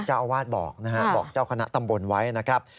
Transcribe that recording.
เจ้าอาวาสบอกนะฮะบอกเจ้าคณะตำบลไว้นะครับ